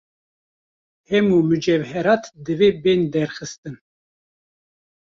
Hemû mucewherat divê bên derxistin.